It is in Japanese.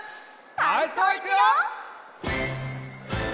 たいそういくよ！